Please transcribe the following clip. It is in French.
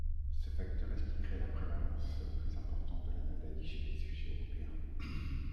Ce facteur expliquerait la prévalence plus importante de la maladie chez les sujets européens.